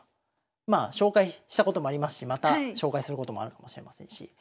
まあ紹介したこともありますしまた紹介することもあるかもしれませんし。